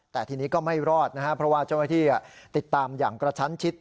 แต่ทีนี้ก็ไม่รอดนะครับเพราะว่าเจ้าหน้าที่ติดตามอย่างกระชั้นชิด